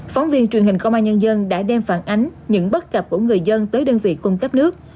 phóng viên truyền hình công an nhân dân đã đem phản ánh những bất cập của người dân tới đơn vị cung cấp nước